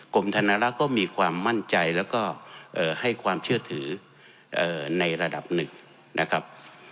ธนรักษ์ก็มีความมั่นใจแล้วก็ให้ความเชื่อถือในระดับหนึ่งนะครับ